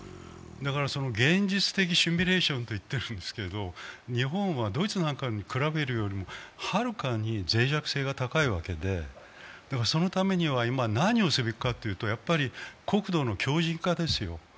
現実的シミュレーションと言ってるんですけど日本はドイツなんかに比べてはるかにぜい弱性が高いわけで、そのためには今何をすべきかというと国土の強じんかですよ。